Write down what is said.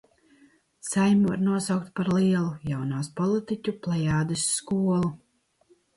Saeimu var nosaukt par lielu jaunās politiķu plejādes skolu.